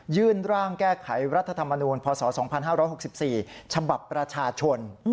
ร่างแก้ไขรัฐธรรมนูลพศ๒๕๖๔ฉบับประชาชน